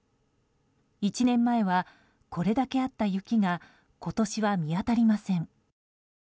１年前は、これだけあった雪が今年は見当たりません。